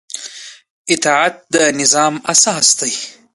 اطاعت د نظام اساس دی